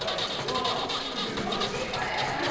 ふんどっちこれ？